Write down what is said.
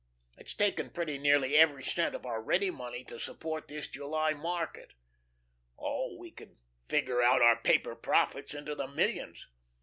It's taken pretty nearly every cent of our ready money to support this July market. Oh, we can figure out our paper profits into the millions.